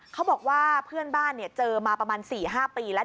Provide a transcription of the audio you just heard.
เขาบอกว่าเพื่อนบ้านเจอมาประมาณ๔๕ปีแล้ว